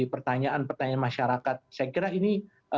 pertanyaan pertanyaan masyarakat saya kira ini